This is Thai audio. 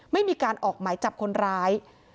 ไม่มีการออกหมายจับคนร้าย